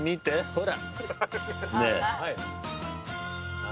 ほら。